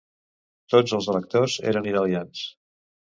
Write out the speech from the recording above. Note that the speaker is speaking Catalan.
Tots els electors eren italians.